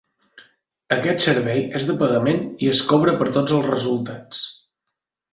Aquest servei és de pagament i es cobra per tots els resultats.